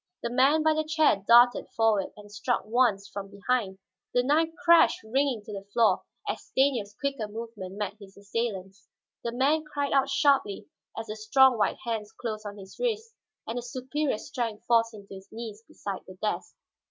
The man by the chair darted forward and struck once, from behind. The knife crashed ringing to the floor as Stanief's quicker movement met his assailant's. The man cried out sharply as the strong white hands closed on his wrists and the superior strength forced him to his knees beside the desk.